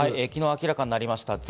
昨日、明らかになりました。